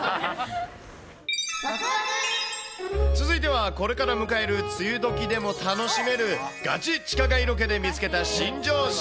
続いては、これから迎える梅雨どきでも楽しめる、ガチ地下街ロケで見つけた新常識。